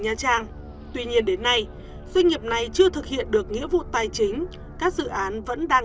nha trang tuy nhiên đến nay doanh nghiệp này chưa thực hiện được nghĩa vụ tài chính các dự án vẫn đang